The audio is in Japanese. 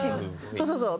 そうそうそう。